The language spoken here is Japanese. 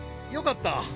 よかった！